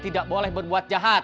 tidak boleh berbuat jahat